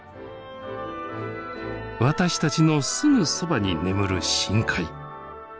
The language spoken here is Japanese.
私たちのすぐそばに眠る深海。